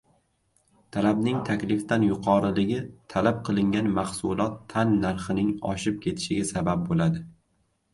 Talabning taklifdan yuqoriligi talab qilingan maxsulot tan narxining oshib ketishiga sabab bo'ladi.